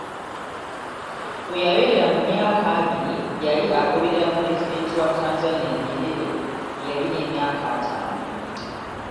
We yabeerera mu myaka abiri, yali agoberera Pulezidenti wa Tanzania Nyerere eyalina emyaka ataano.